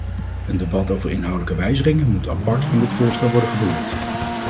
Een debat over inhoudelijke wijzigingen moet apart van dit voorstel worden gevoerd.